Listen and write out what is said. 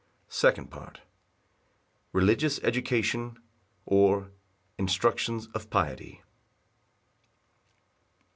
Second Part. L. M. Religious education; or, Instructions of piety.